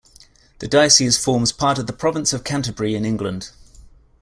The diocese forms part of the Province of Canterbury in England.